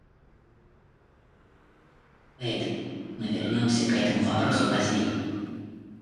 Поэтому мы вернемся к этому вопросу позднее.